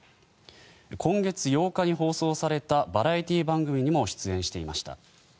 今月８日に放送されたバラエティー番組にも出演していました。